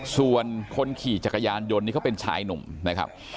ส่วนคนขี่จักรยานยนต์นี่เขาเป็นชายหนุ่มนะครับ